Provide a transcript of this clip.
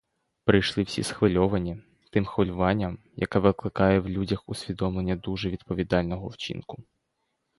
Прийшли всі схвильовані, тим хвилюванням, яке викликає в людях усвідомлення дуже відповідального вчинку.